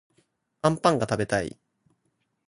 あんぱんがたべたい